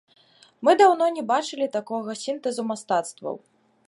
Мы даўно не бачылі такога сінтэзу мастацтваў.